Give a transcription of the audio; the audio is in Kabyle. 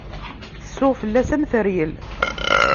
Tsuɣ fell-as am teryel.